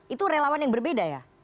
itu relawan yang berbeda ya